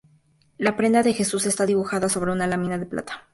La prenda de Jesús está dibujada sobre una lámina de plata.